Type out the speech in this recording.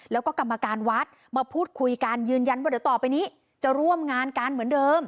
แล้วก็กรรมการวัดมาพูดคุยกันยืนยันว่าเดี๋ยวต่อไปนี้จะร่วมงานกันเหมือนเดิม